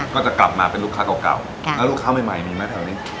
ก็จะกลับมาเป็นลูกค้าเก่าแล้วลูกค้าใหม่มีไหมแถวนี้